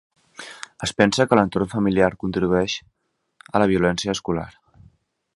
Es pensa que l'entorn familiar contribueix a la violència escolar.